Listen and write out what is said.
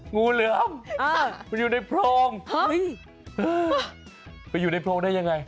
งูเหลือมมันอยู่ในโพรงเฮ้ยไปอยู่ในโพรงได้ยังไง